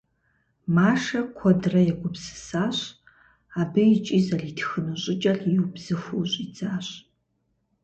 Машэ куэдрэ егупсысащ абы икӏи зэритхыну щӏыкӏэр иубзыхуу щӏидзащ.